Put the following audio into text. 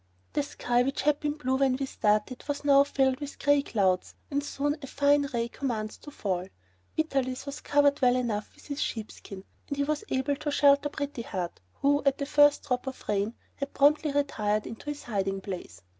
The sky, which had been blue when we started, was now filled with gray clouds and soon a fine rain commenced to fall. Vitalis was covered well enough with his sheepskin and he was able to shelter Pretty Heart, who, at the first drop of rain, had promptly retired into his hiding place.